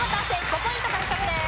５ポイント獲得です。